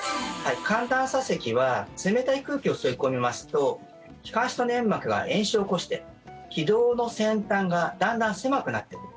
寒暖差せきは冷たい空気を吸い込みますと気管支の粘膜が炎症を起こして気道の先端がだんだん狭くなってくる。